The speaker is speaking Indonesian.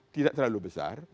tidak terlalu besar